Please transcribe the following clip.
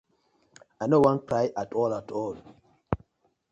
I no won cry atol atol.